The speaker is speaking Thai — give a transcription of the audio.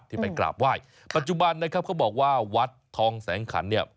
ไปกราบไหว้ปัจจุบันนะครับเขาบอกว่าวัดทองแสงขันเนี่ย